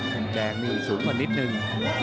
มุมแดงนี่สูงกว่านิดนึง